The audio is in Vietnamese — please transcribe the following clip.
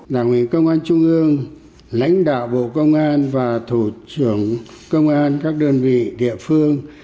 đảng ủy công an trung ương lãnh đạo bộ công an và thủ trưởng công an các đơn vị địa phương